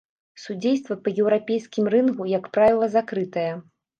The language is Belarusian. Судзейства па еўрапейскім рынгу, як правіла, закрытая.